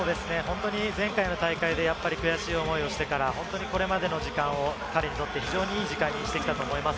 前回の大会で悔しい思いをしてから、本当にこれまでの時間を彼にとって非常にいい時間にしてきたと思います。